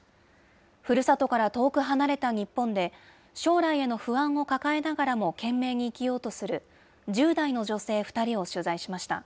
ふるさとから遠く離れた日本で、将来への不安を抱えながらも懸命に生きようとする、１０代の女性２人を取材しました。